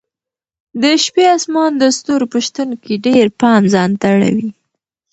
د شپې اسمان د ستورو په شتون کې ډېر پام ځانته اړوي.